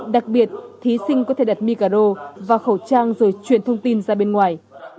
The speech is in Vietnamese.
đặc biệt thí sinh có thể đặt micaro vào khẩu trang rồi chuyển thông tin ra bên ngoài